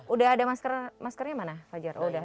udah ada maskernya mana